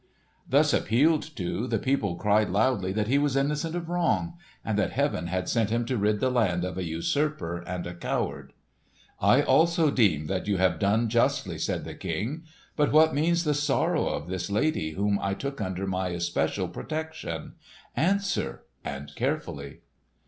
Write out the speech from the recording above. Thus appealed to, the people cried loudly that he was innocent of wrong, and that Heaven had sent him to rid the land of a usurper and a coward. "I also deem that you have done justly," said the King. "But what means the sorrow of this lady whom I took under my especial protection? Answer, and carefully!"